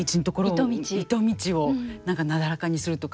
糸道を何かなだらかにするとか。